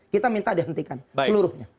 kita minta dihentikan seluruhnya